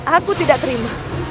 aku tidak terima